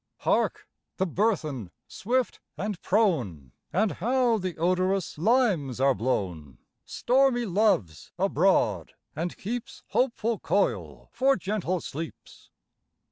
Hark! the burthen, swift and prone! And how the odorous limes are blown! Stormy Love's abroad, and keeps Hopeful coil for gentle sleeps.